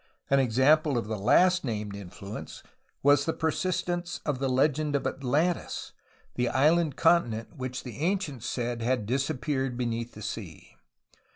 An example of the last named influence was the persistence of the legend of Atlantis, the island continent which the ancients said had disappeared beneath the sea.